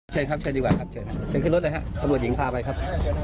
เชิญครับเชิญดีกว่าครับเชิญขึ้นรถเลยครับประบวนหญิงพาไปครับ